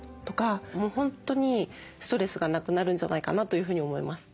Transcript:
もう本当にストレスがなくなるんじゃないかなというふうに思います。